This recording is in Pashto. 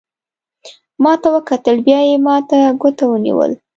ما ته وکتل، بیا یې ما ته ګوته ونیول.